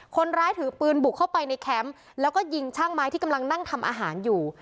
คนร้ายถือปืนบุกเข้าไปในแคมป์แล้วก็ยิงช่างไม้ที่กำลังนั่งทำอาหารอยู่